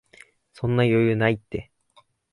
そんな余裕ないって